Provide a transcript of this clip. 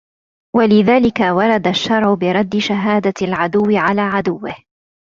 وَلِذَلِكَ وَرَدَ الشَّرْعُ بِرَدِّ شَهَادَةِ الْعَدُوِّ عَلَى عَدُوِّهِ